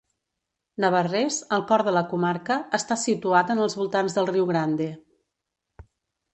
Navarrés, al cor de la comarca, està situat en els voltants del riu Grande.